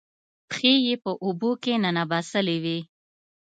پښې یې په اوبو کې ننباسلې وې